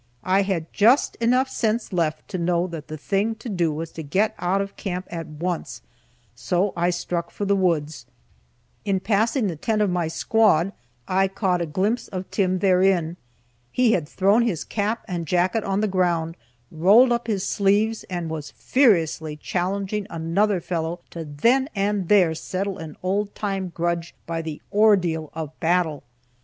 I had just sense enough left to know that the thing to do was to get out of camp at once, so I struck for the woods. In passing the tent of my squad, I caught a glimpse of Tim therein. He had thrown his cap and jacket on the ground, rolled up his sleeves, and was furiously challenging another fellow to then and there settle an old time grudge by the "ordeal of battle."